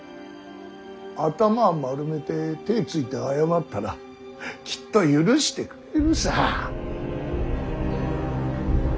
頭丸めて手ついて謝ったらきっと許してくれるさ。